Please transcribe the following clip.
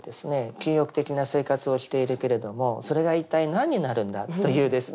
禁欲的な生活をしているけれどもそれが一体何になるんだというですね